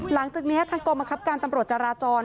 หลังจากนี้ทางกรมคับการตำรวจจาราจร